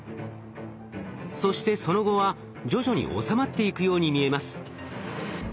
そしてその後は徐々に収まっていくように見えます。